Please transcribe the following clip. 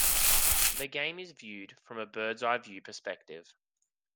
The game is viewed from a bird's eye-view perspective.